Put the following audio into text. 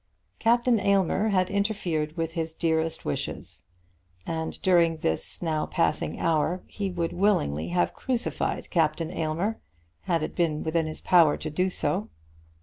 Captain Aylmer had interfered with his dearest wishes, and during this now passing hour he would willingly have crucified Captain Aylmer had it been within his power to do so.